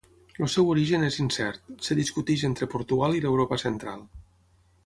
El seu origen és incert; es discuteix entre Portugal i l’Europa central.